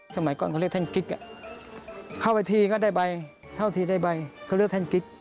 สมัยก่อนเขาเรียกแท่งกิ๊กเข้าไปทีก็ได้ใบเข้าทีได้ใบเขาเรียกแท่งกิ๊ก